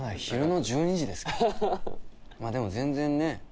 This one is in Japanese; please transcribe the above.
まあでも全然ね。